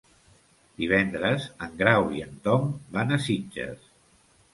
Divendres en Grau i en Tom van a Sitges.